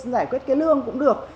giải quyết cái lương cũng được